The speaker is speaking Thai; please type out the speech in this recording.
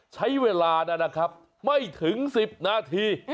ใช้เวลานะครับไม่ถึง๑๐นาที